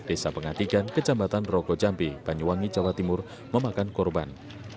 desa pengatikan kejambatan rogo jambi banyuwangi jawa timur memakan korban